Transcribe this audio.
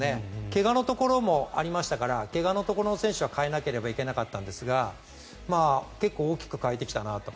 怪我のところもありましたから怪我のところの選手は代えなければいけなかったんですが結構大きく変えてきたなと。